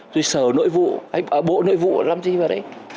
rồi sở nội vụ anh bộ nội vụ làm gì vào đấy